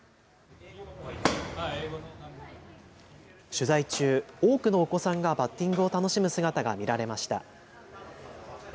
取材中、多くのお子さんがバッティングを楽しむ姿が見られました。